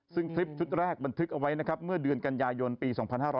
ซึ่งคลิปชุดแรกบันทึกเอาไว้เมื่อเดือนกัญญายนปี๒๕๔๗